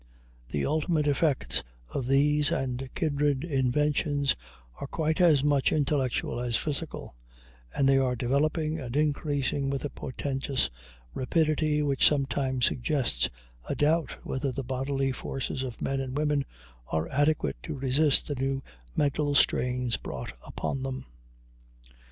The ultimate effects of these and kindred inventions are quite as much intellectual as physical, and they are developing and increasing with a portentous rapidity which sometimes suggests a doubt whether the bodily forces of men and women are adequate to resist the new mental strains brought upon them.